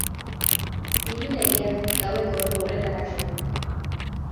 Ilunegiak, gaueko ordu horretarako.